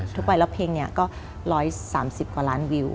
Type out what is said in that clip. ทุกวัยแล้วเพลงนี้ก็๑๓๐กว่าล้านวิว